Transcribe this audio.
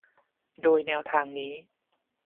โดยแนวทางนี้